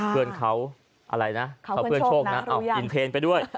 เพื่อนเขาเพื่อนโชคอินเทนท์ไปด้วย